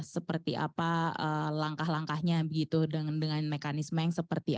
seperti apa langkah langkahnya begitu dengan mekanisme yang seperti apa